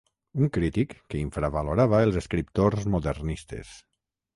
Un crític que infravalorava els escriptors modernistes.